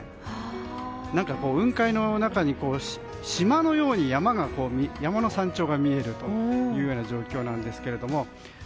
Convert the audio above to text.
雲海の中に島のように山の山頂が見えるというような状況なんですが。